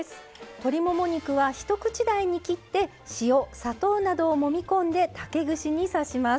鶏もも肉は一口大に切って塩砂糖などをもみ込んで竹串に刺します。